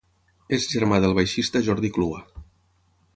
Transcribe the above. És germà del baixista Jordi Clua.